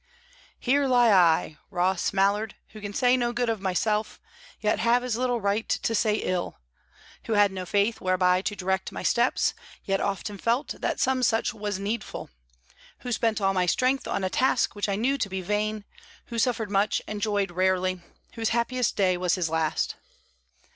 "Here lie I, Ross Mallard; who can say no good of myself, yet have as little right to say ill; who had no faith whereby to direct my steps, yet often felt that some such was needful; who spent all my strength on a task which I knew to be vain; who suffered much and joyed rarely; whose happiest day was his last."